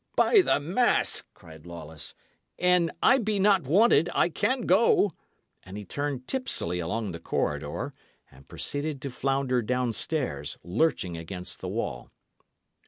"By the mass," cried Lawless, "an I be not wanted, I can go;" and he turned tipsily along the corridor and proceeded to flounder down stairs, lurching against the wall.